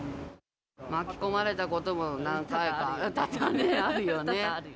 巻き込まれたことも何回かあるよね。